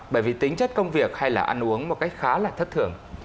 bởi vì tính chất công việc hay là ăn uống một cách khá là thất thường